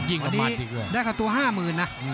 ยิ่งกับหมัดอีกเลย